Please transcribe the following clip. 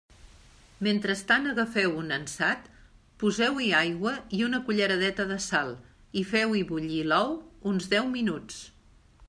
Mentrestant agafeu un ansat, poseu-hi aigua i una culleradeta de sal, i feu-hi bullir l'ou uns deu minuts.